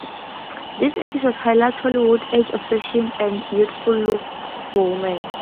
This episode highlights Hollywood's age-obsession and youthful looks for women.